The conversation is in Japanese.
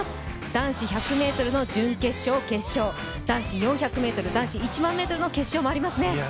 男子１００ｍの準決勝、決勝、男子４００ｍ、男子１００００ｍの決勝もありますね。